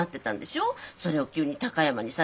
それを急に高山にされちゃってさ。